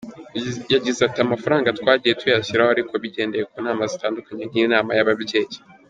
Yagize ati “Amafaranga twagiye tuyashyiraho ariko bigendeye ku nama zitandukanye nk’inama y’ababyeyi.